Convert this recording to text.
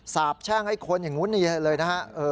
สาบแช่งให้คนอย่างนู้นเลยนะฮะ